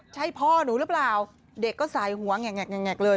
ใช่พ่อหนูหรือเปล่าเด็กก็สายหัวแงกเลย